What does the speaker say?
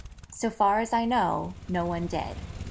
So far as I know, no one did.